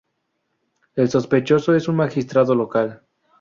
El sospechoso es un magistrado local.